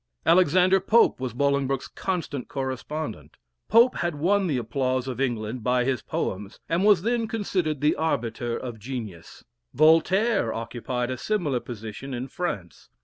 Alexander Pope was Bolingbroke's constant correspondent. Pope had won the applause of England by his poems, and was then considered the arbiter of genius. Voltaire occupied a similar position in France.